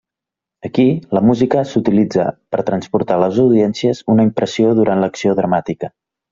Aquí, la música s'utilitza per a transportar a les audiències una impressió durant l'acció dramàtica.